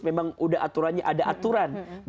memang udah aturannya ada aturan